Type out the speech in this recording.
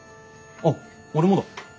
あっ俺もだ。